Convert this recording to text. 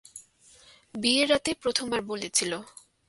বিয়ের রাতে প্রথম বার বলেছিল।